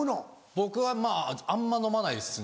僕はあんま飲まないですね。